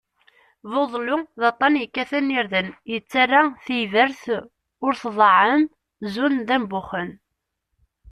Buḍellu d aṭṭan yekkaten irden, yettarra tiyedret ur tḍeɛɛem, zun d ambuxen.